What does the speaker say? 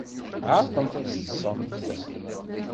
Ɛerḍemt ad teṭṭsemt.